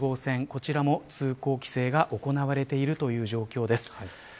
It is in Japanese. こちらも通行規制が行われている状況です。